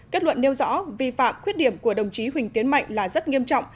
kết luận nêu rõ vi phạm khuyết điểm của đồng chí huỳnh tiến mạnh là rất nghiêm trọng